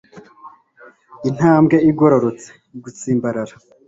intambwe igororotse, gutsimbarara